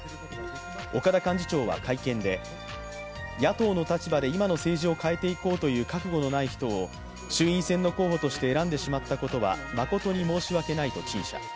岡田幹事長は会見で、野党の立場で今の政治を変えていこうという覚悟のない人を衆院選の候補として選んでしまったことは誠に申し訳ないと陳謝。